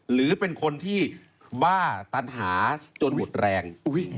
หรือเป็นคนที่บ้าตันหาจนหมดแรง